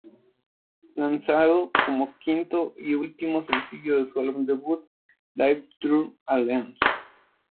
Lanzado como quinto y último sencillo de su álbum debut "Life Thru A Lens.